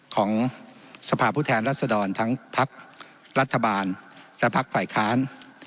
ของสภาพผู้แทนรัศดรทั้งพักรัฐบาลและพักฝ่ายค้าน